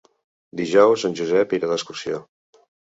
Dijous en Josep irà d'excursió.